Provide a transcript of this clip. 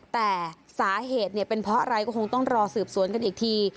แต่สาเหตุเป็นเพราะอะไรก็คงต้องรอสืบสวนกันอีกที